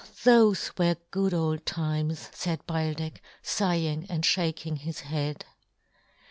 thofe were good old times," faid Beildech, fighing and fhaking his head.